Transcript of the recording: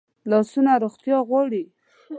لاسونه روغتیا غواړي